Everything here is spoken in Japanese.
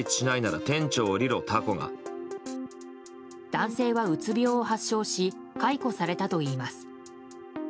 男性は、うつ病を発症し解雇されたといいます。